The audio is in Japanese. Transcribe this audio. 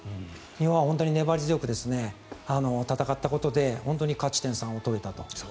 日本は本当に粘り強く戦ったことで本当に勝ち点３を取れたと。